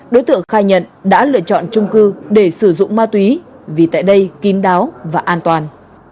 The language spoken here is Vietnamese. đối tượng khai nhận đã lựa chọn trung cư để sử dụng ma túy vì tại đây kín đáo và an toàn